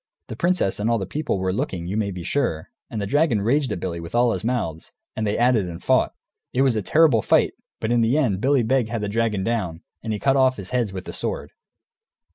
The princess and all the people were looking, you may be sure, and the dragon raged at Billy with all his mouths, and they at it and fought. It was a terrible fight, but in the end Billy Beg had the dragon down, and he cut off his heads with the sword.